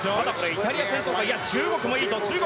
イタリア先頭か中国もいいぞ。